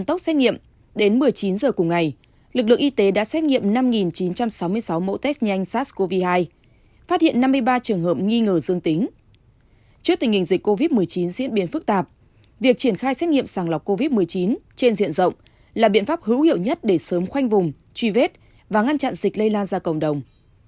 trong tình hình dịch covid một mươi chín diễn biến phức tạp việc triển khai xét nghiệm sàng lọc covid một mươi chín trên diện rộng là biện pháp hữu hiệu nhất để sớm khoanh vùng truy vết và ngăn chặn dịch lây lan ra cộng đồng